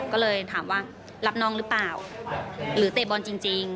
ก็เลยถามว่ารับน้องหรือเปล่าหรือเตะบอลจริง